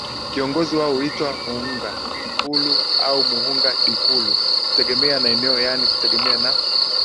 Kiongozi wao huitwa Muhunga Mkulu au Muhunga Dikulu kutegemea na eneo yaani kutegemea na